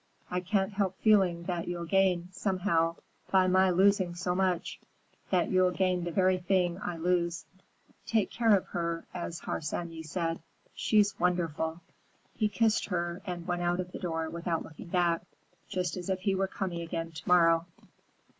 I can't help feeling that you'll gain, somehow, by my losing so much. That you'll gain the very thing I lose. Take care of her, as Harsanyi said. She's wonderful!" He kissed her and went out of the door without looking back, just as if he were coming again to morrow.